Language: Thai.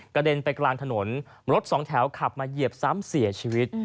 เด็นไปกลางถนนรถสองแถวขับมาเหยียบซ้ำเสียชีวิต